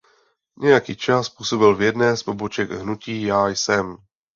Nějaký čas působil v jedné z poboček Hnutí Já jsem.